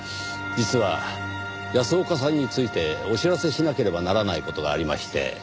実は安岡さんについてお知らせしなければならない事がありまして。